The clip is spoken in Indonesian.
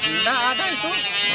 tidak ada itu